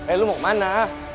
eh lo mau kemana